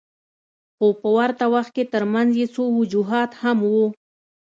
خو په ورته وخت کې ترمنځ یې څو وجوهات هم وو.